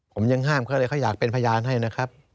ผมยังห้ามเขาเลยเขาอยากเป็นพยานให้นะครับ